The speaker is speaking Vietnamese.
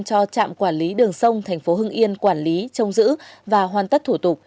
cho trạm quản lý đường sông thành phố hưng yên quản lý trông giữ và hoàn tất thủ tục